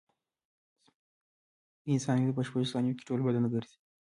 د انسان وینه په شپږو ثانیو کې ټول بدن ګرځي.